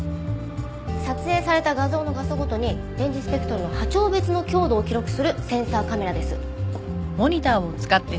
撮影された画像の画素ごとに電磁スペクトルの波長別の強度を記録するセンサーカメラです。